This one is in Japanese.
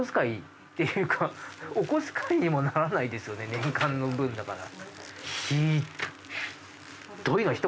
年間の分だから。